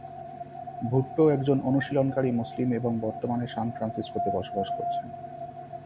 ভুট্টো একজন অনুশীলনকারী মুসলিম এবং বর্তমানে সান ফ্রান্সিসকোতে বসবাস করছেন।